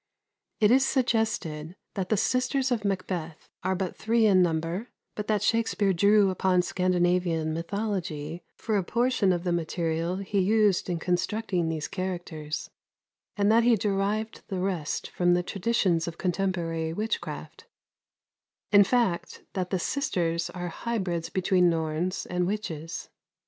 It is suggested that the sisters of "Macbeth" are but three in number, but that Shakspere drew upon Scandinavian mythology for a portion of the material he used in constructing these characters, and that he derived the rest from the traditions of contemporary witchcraft; in fact, that the "sisters" are hybrids between Norns and witches.